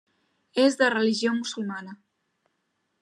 És de religió musulmana.